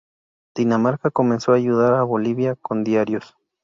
Dinamarca comenzó a ayudar a Bolivia con diarios.